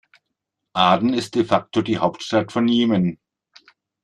Aden ist de facto die Hauptstadt von Jemen.